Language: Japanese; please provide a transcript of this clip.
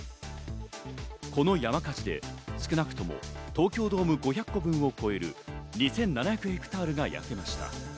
この山火事で少なくとも東京ドーム５００個分を超える２７００ヘクタールが焼けました。